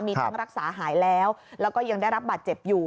มีทั้งรักษาหายแล้วแล้วก็ยังได้รับบาดเจ็บอยู่